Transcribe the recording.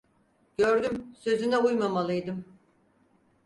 Gördüm, sözüne uymamalıydım…